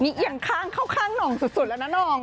เอียงข้างเข้าข้างหน่องสุดแล้วนะหน่อง